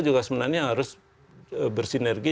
juga sebenarnya harus bersinergi